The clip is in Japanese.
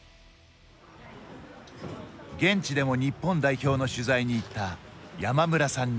現地でも日本代表の取材に行った山村さんに。